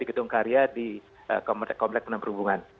gedung karya di komplek penuh perhubungan